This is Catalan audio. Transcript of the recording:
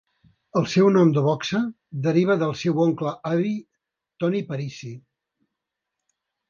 El seu nom de boxa deriva del seu oncle avi Tony Parisi.